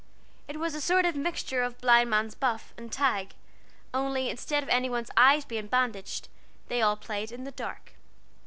It was a sort of mixture of Blindman's Buff and Tag only instead of any one's eyes being bandaged, they all played in the dark.